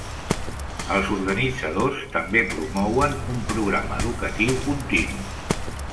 Els organitzadors també promouen un programa educatiu continu.